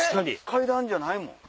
階段じゃないもん。